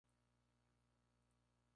Su padrino es el actor Robert Redford.